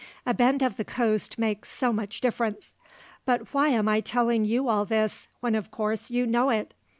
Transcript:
A bend of the coast makes so much difference. But why am I telling you all this, when of course you know it!